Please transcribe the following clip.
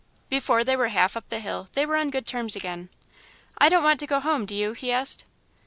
Before they were half up the hill, they were on good terms again. "I don't want to go home, do you?" he asked.